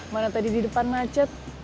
mana tadi di depan macet